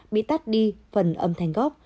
bị tắt đi phần âm thanh gốc